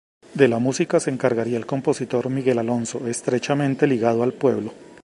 De la música se encargaría el compositor Miguel Alonso, estrechamente ligado al pueblo.